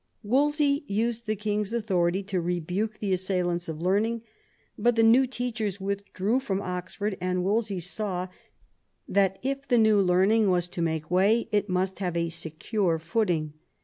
Wolsey used the king's authority to rebuke the assailants of learning; but the new teachers withdrew from Oxford, an,d Wolsey saw that if the new learning was to make way it must have a secure footing.